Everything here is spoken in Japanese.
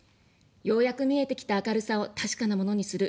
ようやく見えてきた明るさを確かなものにする。